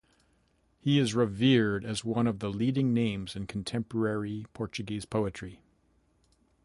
He is revered as one of the leading names in contemporary Portuguese poetry.